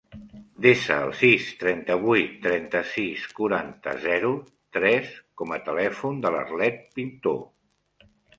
Desa el sis, trenta-vuit, trenta-sis, quaranta, zero, tres com a telèfon de l'Arlet Pintor.